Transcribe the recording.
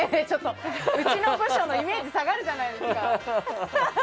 うちの部署のイメージ下がるじゃないですか！